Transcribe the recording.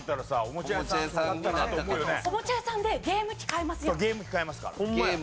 おもちゃ屋さんでゲーム機買えますよ。